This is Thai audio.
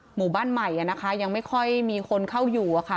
หมู่บ้านใหม่ยังไม่ค่อยมีคนเข้าอยู่อะค่ะ